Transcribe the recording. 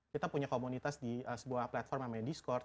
kita punya komunitas di sebuah platform namanya discord